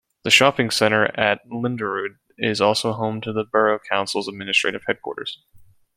The shopping centre at Linderud is also home to the borough council's administrative headquarters.